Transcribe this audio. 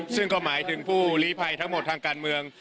ซึ่งก็หมายถึงผู้ลีภัยทั้งหมดทางการเมือง